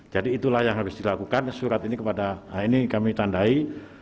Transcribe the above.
jadi itulah yang harus dilakukan surat ini kami tandai